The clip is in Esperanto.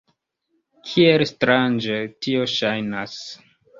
Kiel strange tio ŝajnas!